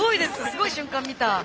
すごい瞬間見た。